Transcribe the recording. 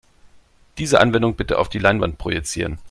Diese Anwendung bitte auf die Leinwand projizieren.